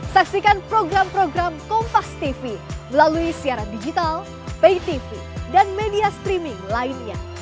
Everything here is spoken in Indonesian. saksikan program program kompas tv melalui siaran digital pay tv dan media streaming lainnya